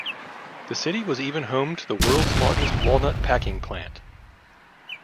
The city was even home to the world's largest walnut packing plant.